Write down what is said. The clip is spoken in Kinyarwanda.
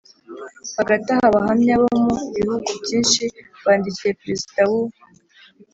Hagati aho Abahamya bo mu bihugu byinshi bandikiye perezida w u